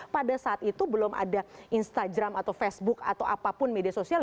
pada saat itu belum ada instagram atau facebook atau apapun media sosial